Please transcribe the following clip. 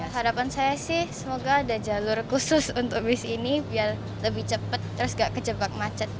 harapan saya sih semoga ada jalur khusus untuk bus ini biar lebih cepat terus gak kejebak macet